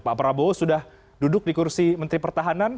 pak prabowo sudah duduk di kursi menteri pertahanan